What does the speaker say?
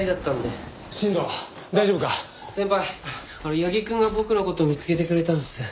八木くんが僕の事見つけてくれたんです。